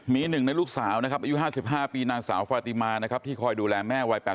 มี๑ในลูกสาวนะครับอายุ๕๕ปีนางสาวฟาติมาที่คอยดูแลแม่วัย๘๗ปี